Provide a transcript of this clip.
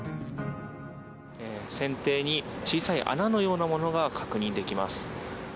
船底に小さい穴のようなものが確認できます。